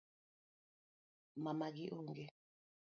Mamagi onge